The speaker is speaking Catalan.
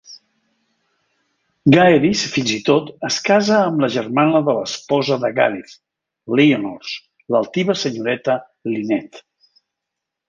Gaheris, fins i tot, es casa amb la germana de l'esposa de Gareth, Lyonors, l'altiva senyoreta Lynette.